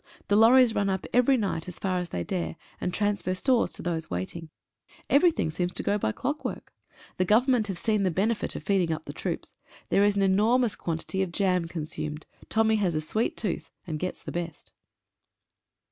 The lorries run up every night as far as they dare, and transfer stores to those waiting. Every thing seems to go by clockwork. The Government have 19 A PLEASING INCIDENT. seen the benefit of feeding up the troops. There is an enormous quantity of jam consumed — Tommy has a sweet tooth, and gets the best.